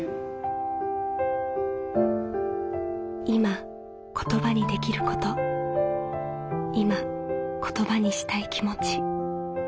いま言葉にできることいま言葉にしたい気持ち。